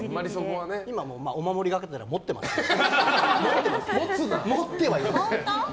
今もお守りがてら持ってますけど。